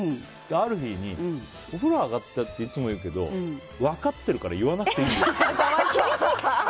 ある日にお風呂上がったよっていつも言うけど、分かってるから厳しい。